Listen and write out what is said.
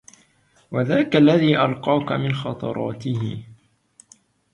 وذاك الذي ألقاك من خطراته